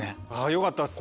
よかったっす。